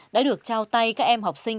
đã được trao tay các em học sinh